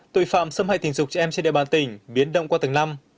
tội phạm xâm hại tình dục trẻ em trên địa bàn tỉnh biến động qua từng năm